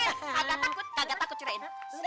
eh kagak takut kagak takut cerain